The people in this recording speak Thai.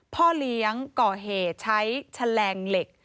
พ่อเลี้ยงก่อเหตุใช้แฉลงเหล็ก